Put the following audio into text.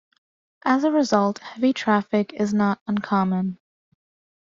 As a result, heavy traffic is not uncommon.